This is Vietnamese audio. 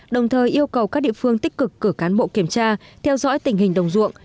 đồng thời yêu cầu các địa phương tích cực cử cán bộ kiểm tra theo dõi tình hình đồng ruộng